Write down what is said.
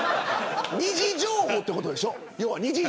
二次情報ということでしょう。